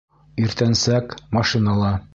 Иртәнсәк, машинала.